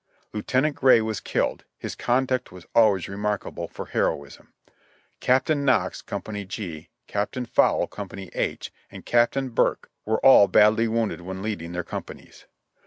Lieutenant Gray was killed; his conduct v/as always remarkable for heroism. Captain Knox, Co. G, Cap tain Fowle, Co. H, and Captain Burke were all badly wounded when leading their companies.